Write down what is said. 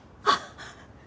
あっ。